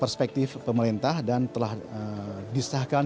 perspektif pemerintah dan telah disahkan